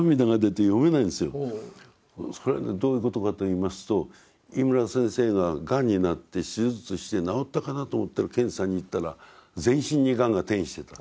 それはねどういうことかと言いますと井村先生ががんになって手術して治ったかなと思って検査に行ったら全身にがんが転移してた。